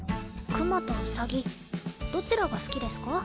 クマとウサギどちらが好きですか？